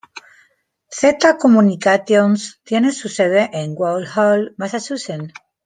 Z Communications tiene su sede en Woods Hole, Massachusetts.